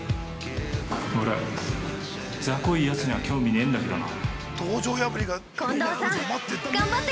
◆俺、ざこいやつには興味ねえんだけどな。